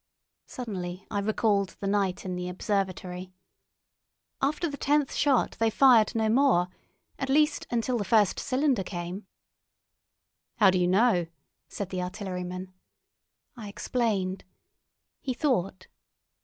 Suddenly I recalled the night in the observatory. "After the tenth shot they fired no more—at least, until the first cylinder came." "How do you know?" said the artilleryman. I explained. He thought.